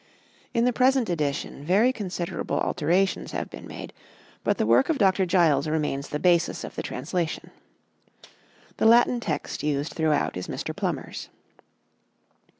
In the present edition very considerable alterations have been made, but the work of Dr. Giles remains the basis of the translation. The Latin text used throughout is Mr. Plummer's.